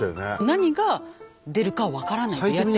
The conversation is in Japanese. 何が出るかは分からないって。